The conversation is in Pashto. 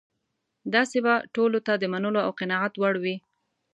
داسې به ټولو ته د منلو او قناعت وړ وي.